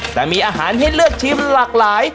แต่มีอาหารให้เลือกชิมหลากหลาย